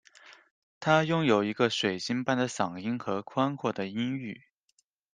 她拥有一个水晶般的嗓音和宽阔的音域。